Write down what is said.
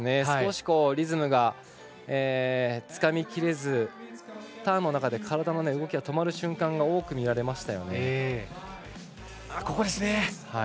少しリズムがつかみきれずターンの中で体の動きが止まる瞬間が多く見られました。